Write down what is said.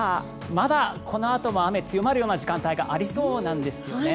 まだこのあとも雨、強まるような時間帯がありそうなんですよね。